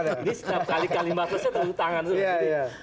ini setiap kali kalimat setiap kali tepuk tangan